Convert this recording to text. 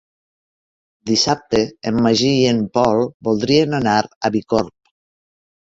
Dissabte en Magí i en Pol voldrien anar a Bicorb.